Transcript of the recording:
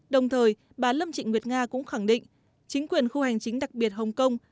đồng thời bà lâm trịnh nguyệt nga cũng khẳng định chính quyền khu hành chính đặc biệt hồng kông